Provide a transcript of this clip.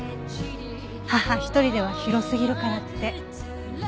母一人では広すぎるからって。